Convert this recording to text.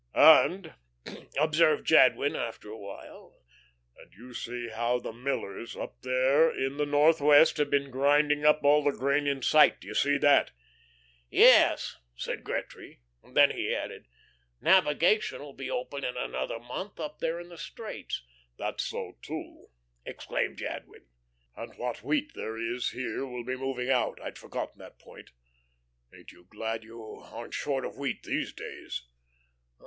"And," observed Jadwin after a while, "and you see how the millers up here in the Northwest have been grinding up all the grain in sight. Do you see that?" "Yes," said Gretry, then he added, "navigation will be open in another month up there in the straits." "That's so, too," exclaimed Jadwin, "and what wheat there is here will be moving out. I'd forgotten that point. Ain't you glad you aren't short of wheat these days?"